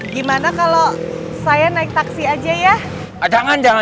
gimana kalau saya naik taksi aja ya